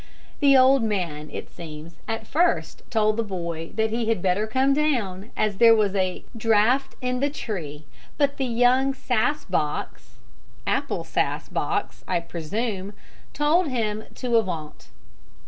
The old man, it seems, at first told the boy that he had better come down, as there was a draught in the tree; but the young sass box apple sass box, I presume told him to avaunt.